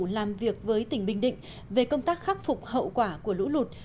làm việc với tỉnh bình định về công tác khắc phục hậu quả của lũ lụt